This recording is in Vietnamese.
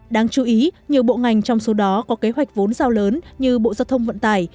đáng chú ý nhiều bộ ngành trong số đó có kế hoạch vốn giao lớn như bộ giao thông vận tải